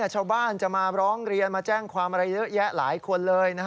ชาวบ้านจะมาร้องเรียนมาแจ้งความอะไรเยอะแยะหลายคนเลย